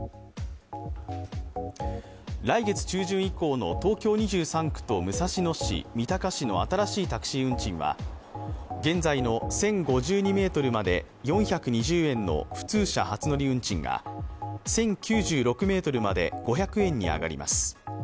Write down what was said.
来月中旬以降の東京２３区と武蔵野市、三鷹市の新しいタクシー運賃は現在の１０５２ｍまで４２０円の普通車初乗り運賃が１０９６ｍまで５００円に上がります。